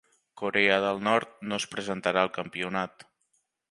Corea del Nord no es presentà al campionat.